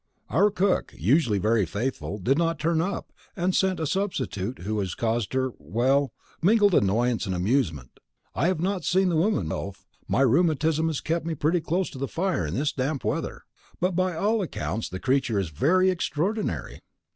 Our cook, usually very faithful, did not turn up, and sent a substitute who has caused her well, mingled annoyance and amusement. I have not seen the woman myself: my rheumatism has kept me pretty close to the fire this damp weather; but by all accounts the creature is very extraordinary.